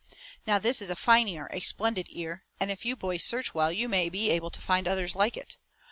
"Now this is a fine ear, a splendid ear, and if you boys search well you may be able to find others like it.